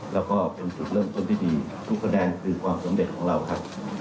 แล้วก็เป็นจุดเริ่มต้นที่ดีทุกคะแนนคือความสำเร็จของเราครับ